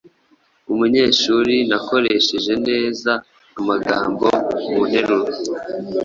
Umunyeshuri nakoreshe neza amagambo mu nteruro